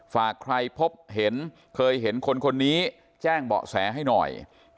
ฝากใครพบเห็นเคยเห็นคนคนนี้แจ้งเบาะแสให้หน่อย